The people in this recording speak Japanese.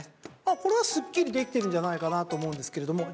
これはスッキリできてるんじゃないかなと思うんですけれども。